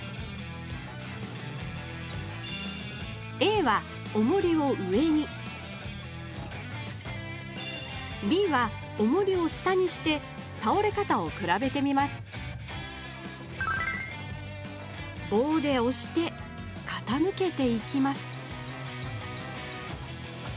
Ａはおもりを上にＢはおもりを下にしてたおれかたをくらべてみますぼうでおしてかたむけていきます